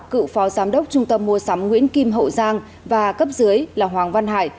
cựu phó giám đốc trung tâm mua sắm nguyễn kim hậu giang và cấp dưới là hoàng văn hải